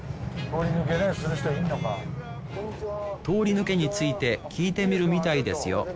通り抜けについて聞いてみるみたいですよ